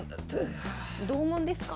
同門ですか？